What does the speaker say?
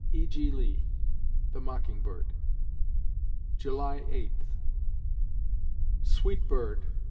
E. G. LEE (The Mocking Bird) July Eighth Sweet bird!